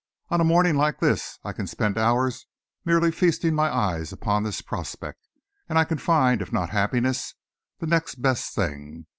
On a morning like this I can spend hours merely feasting my eyes upon this prospect, and I can find, if not happiness, the next best thing.